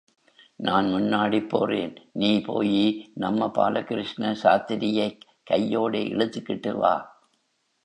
நான் முன்னாடிப் போறேன் நீ போயி நம்ம பாலகிருஷ்ண சாஸ்திரியேக் கையோட இழுத்துக் கிட்டுவா.